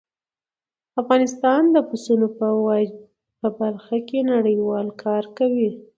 افغانستان د پسونو په برخه کې نړیوال کار کوي.